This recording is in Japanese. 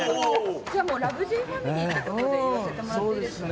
じゃあもう『ラブＪ』ファミリーっていう事で言わせてもらっていいですかね。